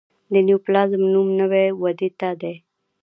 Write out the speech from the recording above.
د نیوپلازم نوم نوي ودې ته دی.